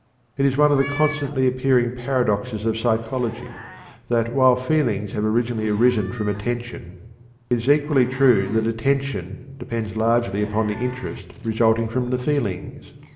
It is one of the constantly appearing paradoxes of psychology, that while feelings have originally arisen from attention, it is equally true that attention depends largely upon the interest resulting from the feelings.